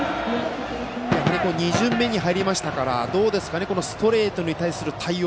２巡目に入ったのでストレートに対する対応